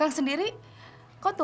jangan penebarin kita lo